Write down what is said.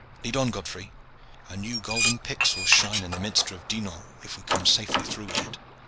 Lead on, Godfrey! A new golden pyx will shine in the minster of Dinan if we come safely through with it."